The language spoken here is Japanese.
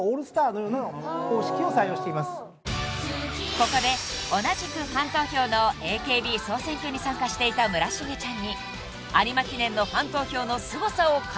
［ここで同じくファン投票のＡＫＢ総選挙に参加していた村重ちゃんに］